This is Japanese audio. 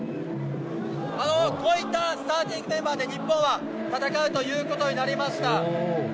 こういったスターティングメンバーで、日本は戦うということになりました。